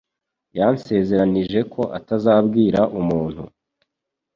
Yansezeranije ko atazabwira umuntu